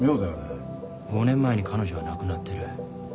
５年前に彼女は亡くなってる。